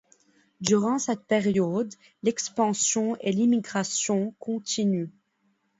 Durant cette période l'expansion et l'immigration continuent.